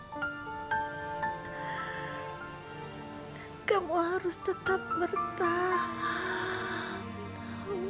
dan kamu harus tetap bertahan